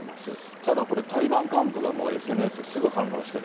ただこれ、タリバン幹部がもうＳＮＳですぐ反論してて。